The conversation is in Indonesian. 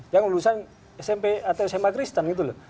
yang lulusan smp atau sma kristen gitu loh